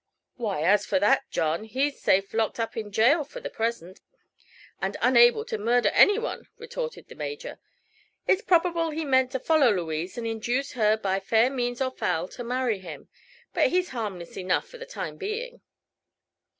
"Why, as for that, John, he's safe locked up in jail for the present, and unable to murder anyone," retorted the Major. "It's probable he meant to follow Louise, and induce her by fair means or foul to marry him. But he's harmless enough for the time being."